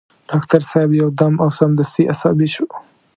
ډاکټر صاحب يو دم او سمدستي عصبي شو.